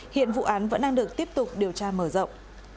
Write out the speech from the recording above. hiện vụ án vẫn đang được tiếp tục điều tra mở rộng